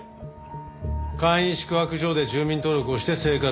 簡易宿泊所で住民登録をして生活。